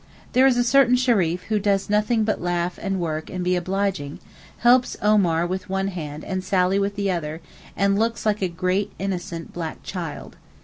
There is a certain Shereef who does nothing but laugh and work and be obliging; helps Omar with one hand and Sally with the other, and looks like a great innocent black child.